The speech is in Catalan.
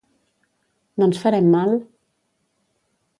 —No ens farem mal?